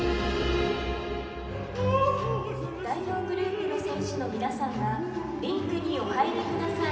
第４グループの選手の皆さんはリンクにお入りください。